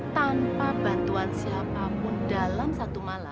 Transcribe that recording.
tanpa bantuan siapapun dalam satu malam